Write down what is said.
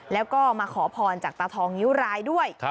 แล้วก็มาขอพรจากตาทองนิ้วรายด้วย